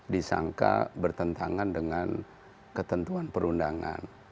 disangka bertentangan dengan ketentuan perundangan